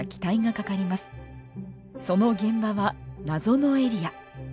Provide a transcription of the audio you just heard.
その現場は謎のエリア。